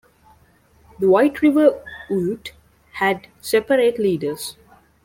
The White River Ute had separate leaders.